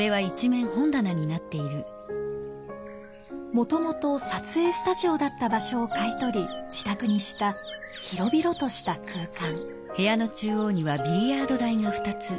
もともと撮影スタジオだった場所を買い取り自宅にした広々とした空間。